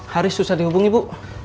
haris susah dihubungi bu